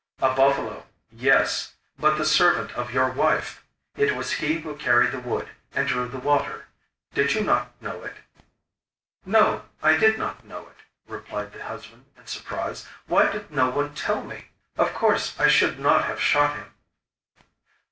'A buffalo yes; but the servant of your wife! It was he who carried the wood and drew the water. Did you not know it?' 'No; I did not know it,' replied the husband in surprise. 'Why did no one tell me? Of course I should not have shot him!